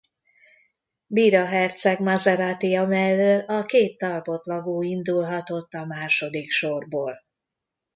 Bira herceg Maseratija mellől a két Talbot-Lago indulhatott a második sorból.